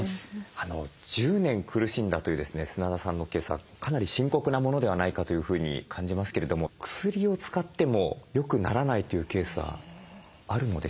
１０年苦しんだというですね砂田さんのケースはかなり深刻なものではないかというふうに感じますけれども薬を使ってもよくならないというケースはあるのでしょうか？